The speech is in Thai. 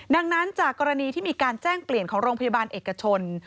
ดังนั้นจากกรณีที่มีการแจ้งเปลี่ยนของโรงพยาบาลเอกชน